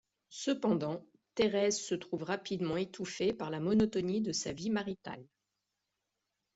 Cependant, Thérèse se trouve rapidement étouffée par la monotonie de sa vie maritale.